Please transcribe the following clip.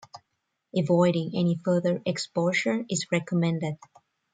Avoiding any further exposure is recommended.